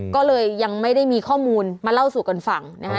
ก็เลยยังไม่ได้มีข้อมูลมาเล่าสู่กันฟังนะฮะ